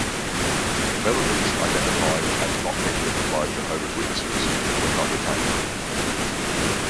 Melodies identified as not having been written by Jehovah's Witnesses were not retained.